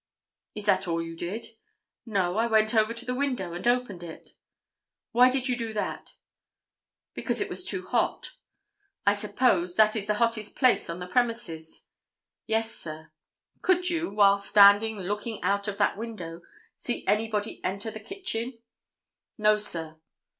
"Is that all you did?" "No. I went over to the window and opened it." "Why did you do that?" "Because it was too hot." "I suppose that it is the hottest place on the premises?" "Yes sir." "Could you, while standing looking out of that window, see anybody enter the kitchen?" "No, sir."